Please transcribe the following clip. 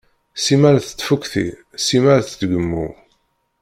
Simmal tettfukti, simmal tgemmu.